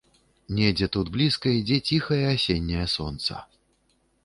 Недзе тут блізка ідзе ціхае асенняе сонца!